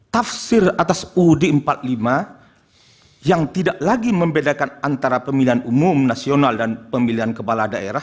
tafsir atas uud empat puluh lima yang tidak lagi membedakan antara pemilihan umum nasional dan pemilihan kepala daerah